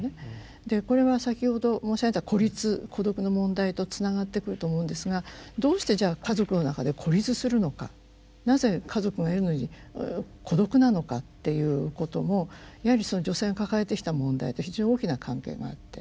でこれは先ほど申し上げた孤立孤独の問題とつながってくると思うんですがどうしてじゃ家族の中で孤立するのかなぜ家族がいるのに孤独なのかっていうこともやはり女性が抱えてきた問題で非常に大きな関係があって。